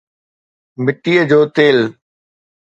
مٽيءَ جو تيل